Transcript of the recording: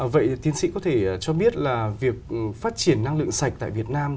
vậy tiến sĩ có thể cho biết là việc phát triển năng lượng sạch tại việt nam